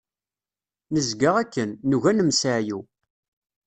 Nezga akken, nugi ad nemseɛyu.